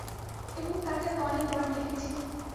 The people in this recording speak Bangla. এবং তাকে আমি অনেকবার দেখেছি।